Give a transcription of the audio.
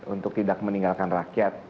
untuk tidak meninggalkan rakyat